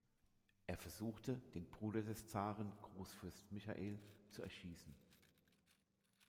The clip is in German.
Er versuchte, den Bruder des Zaren, Großfürst Michael, zu erschießen.